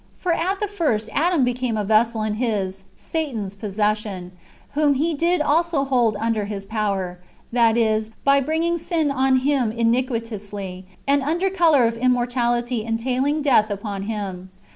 For at the first Adam be came a vessel in his (Satan's) possession, whom he did also hold under his power, that is, by bringing sin on him iniquitously, and under colour of immortality entailing death upon him.